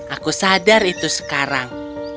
aku sadar itu sekarang